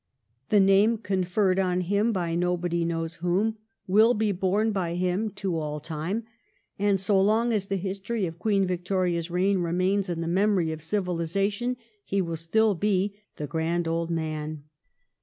The name conferred on him, by nobody knows whom, will be borne by him to all time, and so long as the history of Queen Victoria's reign remains in the memory of civilization, he will still be " the Grand Old Man."